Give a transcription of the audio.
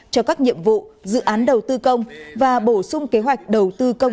cho các nhiệm vụ dự án đầu tư công và bổ sung kế hoạch đầu tư công